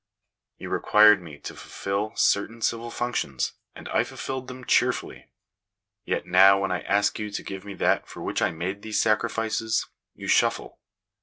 You required me to fulfil certain civil functions, and I fiilfilled them cheerfully. Yet now when I ask you to give me that for which I made these sacrifices, you shuffle.